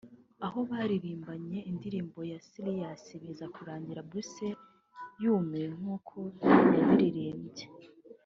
aho baririmbanye indirimbo ye” Serious” biza kurangira Bruce yumiwe nkuko yabiririmbye